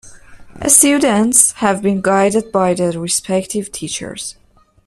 Students have been guided by the respective teachers.